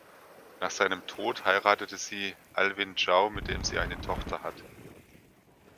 Nach seinem Tod heiratete sie Alwin Chow, mit dem sie eine Tochter hat.